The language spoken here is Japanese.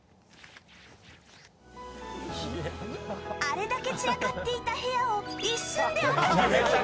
あれだけ散らかっていた部屋を一瞬でお片付け！